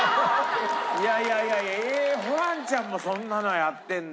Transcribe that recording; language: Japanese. いやいやいやいやえホランちゃんもそんなのやってんだ。